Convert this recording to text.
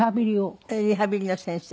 リハビリの先生？